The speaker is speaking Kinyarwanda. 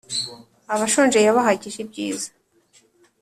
Abashonje yabahagije ibyiza